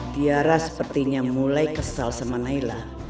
tiara sepertinya mulai kesal sama naila